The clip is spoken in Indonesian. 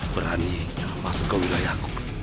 berani masuk ke wilayahku